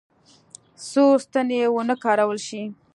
څو ستنې ونه کارول شي.